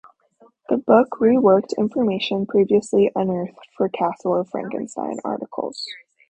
The book reworked information previously unearthed for "Castle of Frankenstein" articles.